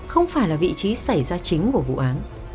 không phải là vị trí xảy ra chính của vụ án